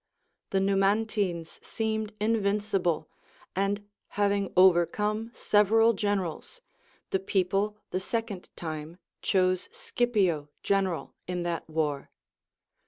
The Numantines seemed invinci ble, and having overcome several generals, the people the second time chose Scipio general in that war.